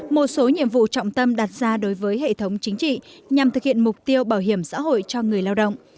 một số nhiệm vụ trọng tâm đặt ra đối với hệ thống chính trị nhằm thực hiện mục tiêu bảo hiểm xã hội cho người lao động